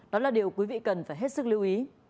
đó là điều quý vị cần phải hết sức lưu ý